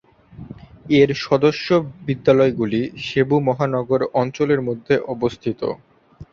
এর সদস্য বিদ্যালয়গুলি সেবু মহানগর অঞ্চলের মধ্যে অবস্থিত।